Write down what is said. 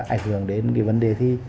ảnh hưởng đến vấn đề thi